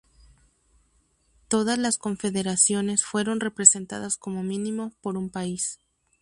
Todas las confederaciones fueron representadas como mínimo por un país.